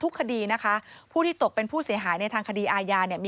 โปรดติดตามต่างกรรมโปรดติดตามต่างกรรม